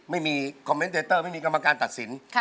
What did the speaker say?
ไม่มีคอมเมนต์เตอร์ไม่มีกรรมการตัดสิน